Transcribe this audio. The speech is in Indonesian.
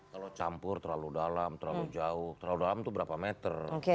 kalau campur terlalu dalam terlalu jauh terlalu dalam itu berapa meter